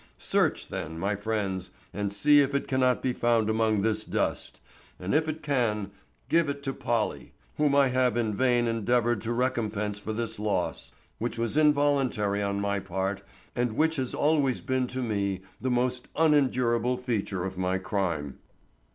Search, then, my friends, and see if it cannot be found among this dust, and if it can, give it to Polly, whom I have in vain endeavored to recompense for this loss, which was involuntary on my part and which has always been to me the most unendurable feature of my crime."